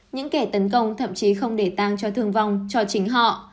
những kẻ tấn công thậm chí không để tăng cho thương vong cho chính họ